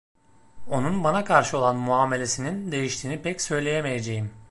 Onun bana karşı olan muamelesinin değiştiğini pek söyleyemeyeceğim.